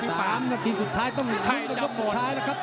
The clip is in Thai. ๓นาทีสุดท้ายต้องหยุดกลุ่มสุดท้ายแล้วครับ